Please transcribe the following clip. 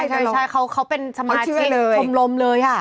ใช่เขาเป็นสมาชิกชมรมเลย